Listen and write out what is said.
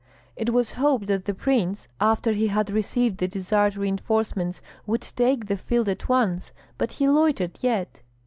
It was hoped that the prince, after he had received the desired reinforcements, would take the field at once; but he loitered yet.